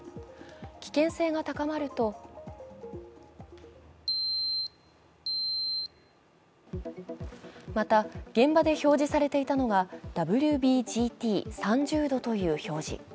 危険性が高まるとまた、現場で表示されていたのがＷＢＧＴ、３０度という表示。